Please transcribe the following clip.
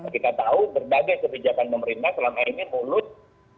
kita tahu berbagai kebijakan pemerintah selama ini mulus